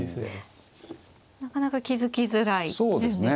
なかなか気付きづらい順ですね。